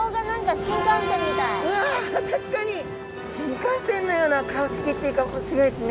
新幹線のような顔つきっていうかすギョいですね。